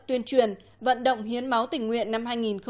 tuyên truyền vận động hiến máu tình nguyện năm hai nghìn một mươi sáu